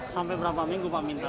sampai berapa minggu pak minta